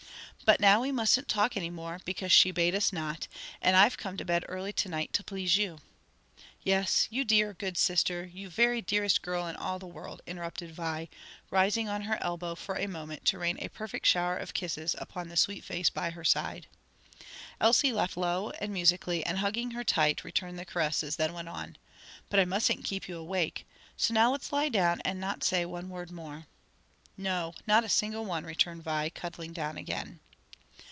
"But now we mus'n't talk anymore; because she bade us not: and I've come to bed early to night to please you " "Yes, you dear, good sister, you very dearest girl in all the world!" interrupted Vi, rising on her elbow for a moment to rain a perfect shower of kisses upon the sweet face by her side. Elsie laughed low and musically and hugging her tight returned the caresses, then went on, "But I mus'n't keep you awake. So now let's lie down and not say one word more." "No; not a single one," returned Vi, cuddling down again.